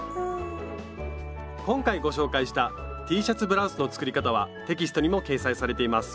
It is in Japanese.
今回ご紹介したＴシャツブラウスの作り方はテキストにも掲載されています。